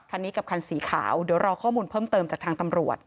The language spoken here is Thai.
คันนี้กับคันสีขาวเดี๋ยวรอข้อมูลเพิ่มเติมจากทางตำรวจ